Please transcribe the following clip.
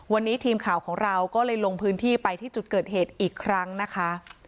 วันนี้ทีมข่าวของเราก็เลยลงพื้นที่ไปที่จุดเกิดเหตุอีกครั้งนะคะ